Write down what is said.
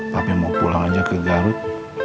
tapi mau pulang aja ke garut